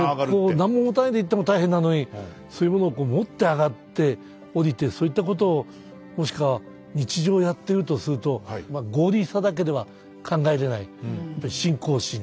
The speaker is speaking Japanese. なんも持たないで行っても大変なのにそういうものを持って上がって下りてそういったことをもしか日常やってるとすると神に仕えるんだと。